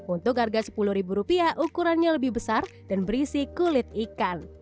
untuk harga sepuluh rupiah ukurannya lebih besar dan berisi kulit ikan